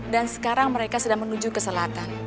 dan sekarang mereka sudah menuju ke selatan